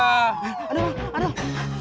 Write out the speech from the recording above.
aduh bang aduh